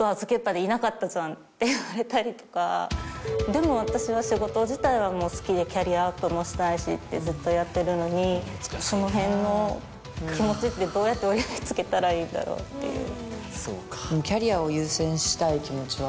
でも私は仕事自体は好きでキャリアアップもしたいしってずっとやってるのにそのへんの気持ちってどうやって折り合いつけたらいいんだろうっていう。